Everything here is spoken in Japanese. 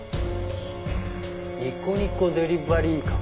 「ニコニコデリバリー館」？